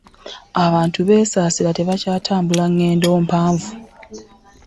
Abantu besasira tebakyatambula ggendo mpanvu.